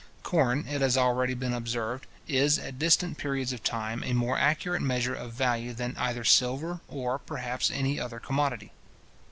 Corn, it has already been observed, is, at distant periods of time, a more accurate measure of value than either silver or, perhaps, any other commodity.